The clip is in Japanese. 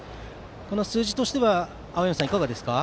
この数字としては青山さん、いかがですか？